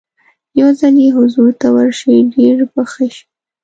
یو ځل یې حضور ته ورشئ ډېر به ښه شي.